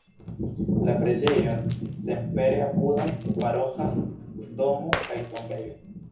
La preĝejon senpere apudas paroĥa domo kaj tombejo.